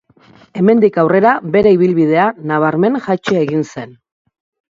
Hemendik aurrera, bere ibilbidea nabarmen jaitsi egin zen.